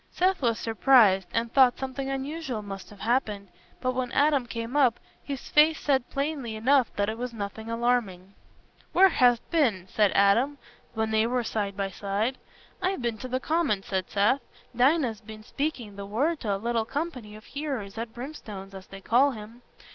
Seth was surprised, and thought something unusual must have happened, but when Adam came up, his face said plainly enough that it was nothing alarming. "Where hast been?" said Adam, when they were side by side. "I've been to the Common," said Seth. "Dinah's been speaking the Word to a little company of hearers at Brimstone's, as they call him.